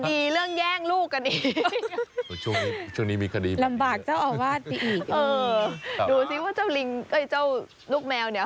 ดูซิว่าว่าเจ้าลูกแมวเนี้ยเค้าจะทำยังไง